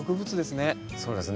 そうですね。